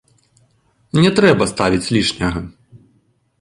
Не трэба ставіць лішняга.